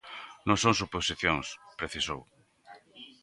Non son suposicións, precisou.